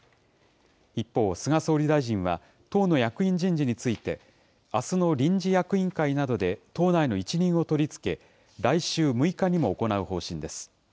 一方、菅総理大臣は党の役員人事について、あすの臨時役員会などで党内の一任を取り付け、来週６日にも行う方針です。